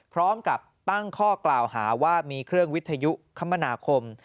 พร้อมกับตั้งข้อกล่าวหาว่ามีเครื่องวิทยุคมนาคม